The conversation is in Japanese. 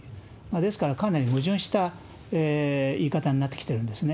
ですから、かなり矛盾した言い方になってきてるんですね。